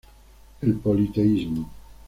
El politeísmo.